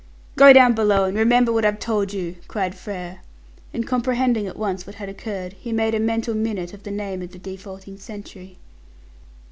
"Go down below, and remember what I've told you," cried Frere; and comprehending at once what had occurred, he made a mental minute of the name of the defaulting sentry.